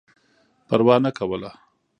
پروا نه کوله.